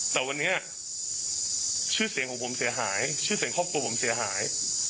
แต่วันนี้ชื่อเสียงของผมเสียหายชื่อเสียงครอบครัวผมเสียหาย